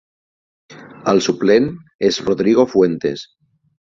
El suplent és Rodrigo Fuentes.